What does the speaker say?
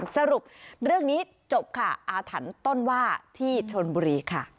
สรุปเรื่องนี้จบค่ะอาถรรพ์ต้นว่าที่ชนบุรีค่ะ